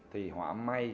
thì họa may